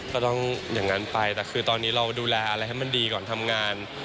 ก็ต้องอย่างนั้นไปแต่คือตอนนี้เราดูแลอะไรให้มันดีก่อนทำงาน